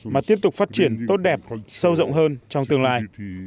mà tiếp tục phát triển tốt đẹp sâu rộng hơn trong tương lai